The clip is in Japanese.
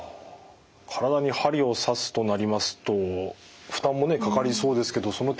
体に針を刺すとなりますと負担もかかりそうですけどその点はいかがですか？